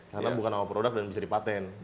karena bukan nama produk dan bisa dipaten